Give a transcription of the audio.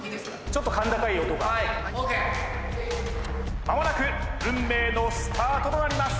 ちょっと甲高い音がＯＫ間もなく運命のスタートとなります